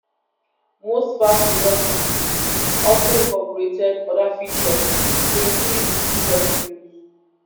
Most fast loader cartridges also incorporated other features to increase ease of use.